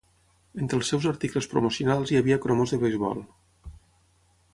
Entre els seus articles promocionals hi havia cromos de beisbol.